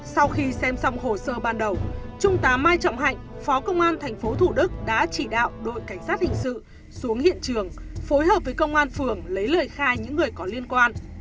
sau khi xem xong hồ sơ ban đầu trung tá mai trọng hạnh phó công an tp thủ đức đã chỉ đạo đội cảnh sát hình sự xuống hiện trường phối hợp với công an phường lấy lời khai những người có liên quan